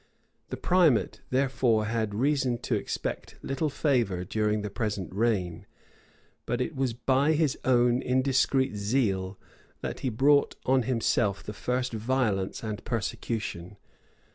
The primate, therefore, had reason to expect little favor during the present reign; but it was by his own indiscreet zeal, that he brought on himself the first violence and persecution.